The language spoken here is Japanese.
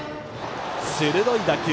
鋭い打球。